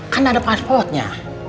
kan ada pasportnya